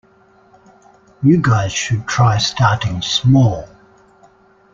You guys should try starting small.